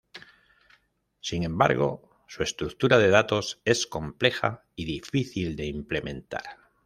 Sin embargo, su estructura de datos es compleja y difícil de implementar.